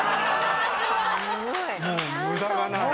もう無駄がない。